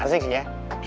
asik sih ya